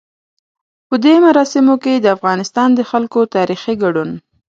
په دې مراسمو کې د افغانستان د خلکو تاريخي ګډون.